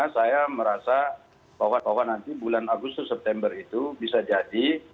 saya merasa bahwa nanti bulan agustus september itu bisa jadi